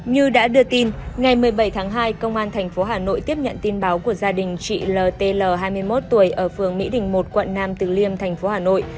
như đã đưa tin ngày một mươi bảy tháng hai công an tp hà nội tiếp nhận tin báo của gia đình chị l t l hai mươi một tuổi ở phường mỹ đình một quận nam từ liêm tp hà nội